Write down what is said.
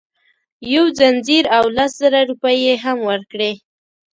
یو ځنځیر او لس زره روپۍ یې هم ورکړې.